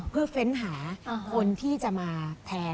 เพื่อเฟ้นหาคนที่จะมาแทน